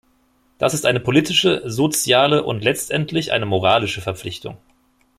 Das ist eine politische, soziale und letztendlich eine moralische Verpflichtung.